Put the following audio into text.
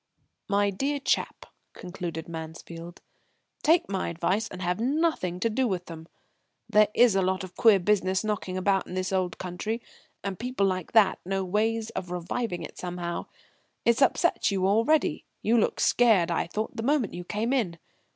"My dear chap," concluded Mansfield, "take my advice and have nothing to do with 'em. There is a lot of queer business knocking about in this old country, and people like that know ways of reviving it somehow. It's upset you already; you looked scared, I thought, the moment you came in."